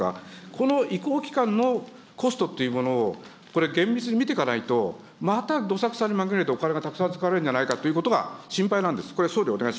この移行期間のコストというものをこれ、厳密に見ていかないと、またどさくさに紛れて、お金がたくさん使われるんではないかということが心配なんです。